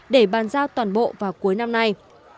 để bàn giao toàn bộ vào cuối năm nay